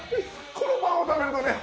このパンを食べるとね